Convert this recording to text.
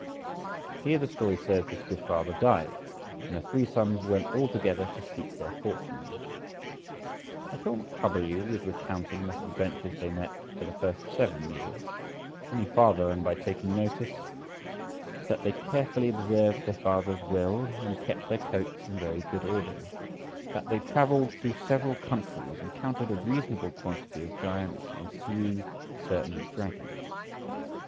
Here the story says this good father died, and the three sons went all together to seek their fortunes. I shall not trouble you with recounting what adventures they met for the first seven years, any farther than by taking notice that they carefully observed their father's will and kept their coats in very good order; that they travelled through several countries, encountered a reasonable quantity of giants, and slew certain dragons.